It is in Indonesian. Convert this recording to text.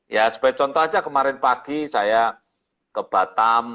ya sebagai contoh aja kemarin pagi saya ke batam